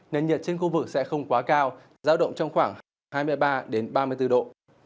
nền nhiệt trên khu vực sẽ không quá cao giao động trong khoảng hai mươi ba ba mươi bốn độ